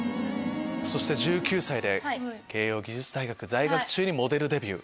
そして１９歳で慶應義塾大学在学中にモデルデビュー。